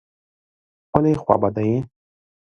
ولي خوابدی یې ؟